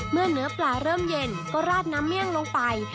เนื้อปลาเริ่มเย็นก็ราดน้ำเมี่ยงลงไป